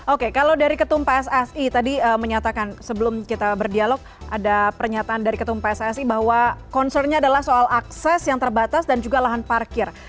oke kalau dari ketum pssi tadi menyatakan sebelum kita berdialog ada pernyataan dari ketum pssi bahwa concernnya adalah soal akses yang terbatas dan juga lahan parkir